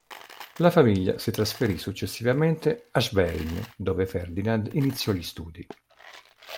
La famiglia si trasferì successivamente a Schwerin, dove Ferdinand iniziò gli studi.